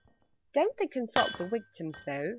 "Don't they consult the 'Victims,' though?"